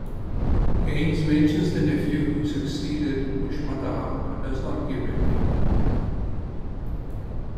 Gaines mentions the nephew who succeeded Pushmataha, but does not give a name.